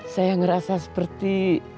saya ngerasa seperti